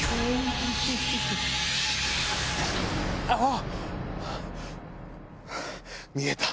あっ！